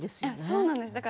そうなんです。